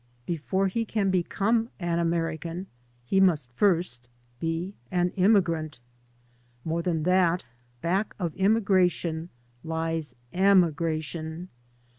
B^ore he can become an American he must first be an inmugrant. More than that, back of ummgration lies emigration.